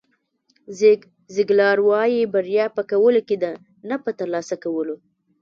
زیګ زیګلار وایي بریا په کولو کې ده نه په ترلاسه کولو.